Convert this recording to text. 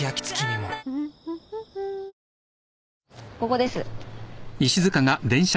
ここです。